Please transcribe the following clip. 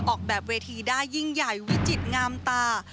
ออกแบบเวทีได้ยิ่งใหญ่วิจิตงามตา